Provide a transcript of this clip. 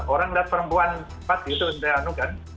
orang lihat perempuan pas gitu entah itu kan